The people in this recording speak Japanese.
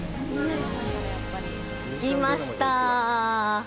着きました。